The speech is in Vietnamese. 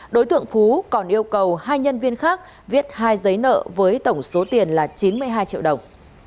đối tượng phú còn yêu cầu hai nhân viên khác viết hai giấy nợ với tổng số tiền là chín mươi hai triệu đồng